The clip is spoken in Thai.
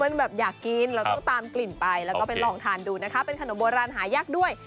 แบบอยากกินเราต้องตามกลิ่นไปแล้วก็ไปลองทานดูนะคะเป็นขนมโบราณหายากด้วย